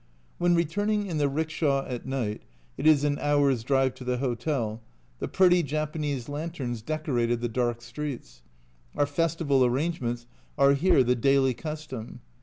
When returning in the rickshaw at night (it is an hour's drive to the hotel) the pretty Japanese lanterns decorated the dark streets. Our festival arrangements are here the daily custom.